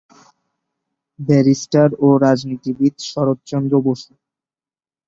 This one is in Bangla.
ব্যারিস্টার ও রাজনীতিবিদ শরৎচন্দ্র বসু